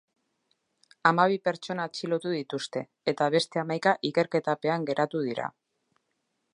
Hamabi pertsona atxilotu dituzte, eta beste hamaika ikerketapean geratu dira.